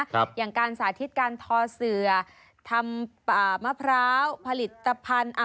อย่างการสาธิตการทอเสือทำอ่ามะพร้าวผลิตภัณฑ์อ่า